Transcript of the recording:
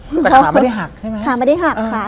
คือขาไม่ได้หักใช่ไหมขาไม่ได้หักค่ะ